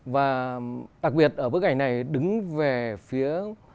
và đặc biệt ở bức ảnh này đứng về phía